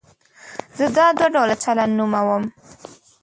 زه دا دوه ډوله چلند نوموم.